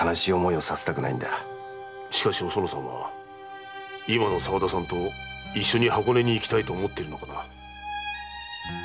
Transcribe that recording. しかしおそのさんは今の沢田さんと一緒に箱根に行きたいと思っているのかな？